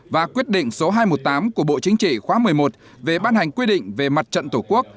và quyết định số hai trăm một mươi tám của bộ chính trị khóa một mươi một về ban hành quy định về mặt trận tổ quốc